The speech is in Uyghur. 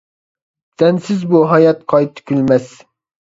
سەنسىز بۇ ھايات قايتا كۈلمەس!